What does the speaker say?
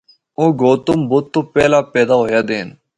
او گوتم بدھ تو پہلا پیدا ہویے دے ہن۔